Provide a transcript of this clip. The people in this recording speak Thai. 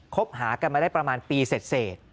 คบหากันมาได้ประมาณปีเสร็จ